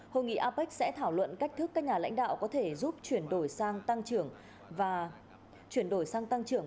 hội nghị apec sẽ thảo luận cách thức các nhà lãnh đạo có thể giúp chuyển đổi sang tăng trưởng